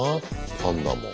パンダも。